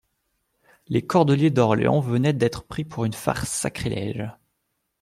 Les cordeliers d'Orléans venaient d'être pris pour une farce sacrilége.